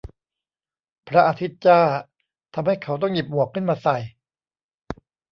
พระอาทิตย์จ้าทำให้เขาต้องหยิบหมวกขึ้นมาใส่